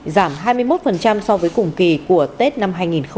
giảm hai mươi một so với cùng kỳ của tết năm hai nghìn hai mươi ba